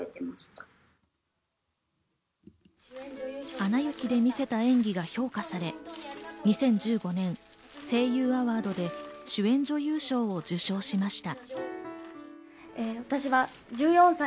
『アナ雪』で見せた演技が評価され、２０１５年声優アワードで主演女優賞を受賞しました。